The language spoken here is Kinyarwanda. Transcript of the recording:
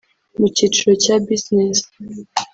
mu kiciro cya businesi